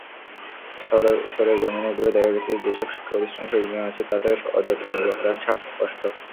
সরেজমিনে ঘুরে দেখা গেছে, যেসব শিক্ষাপ্রতিষ্ঠানে শহীদ মিনার আছে তাতেও অযত্ন-অবহেলার ছাপ স্পষ্ট।